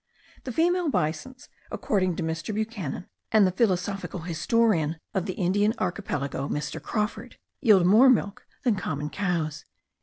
The female bisons, according to Mr. Buchanan and the philosophical historian of the Indian Archipelago, Mr. Crawford, yield more milk than common cows.)